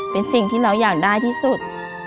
เป็นสิ่งที่เราอยากได้ที่สุด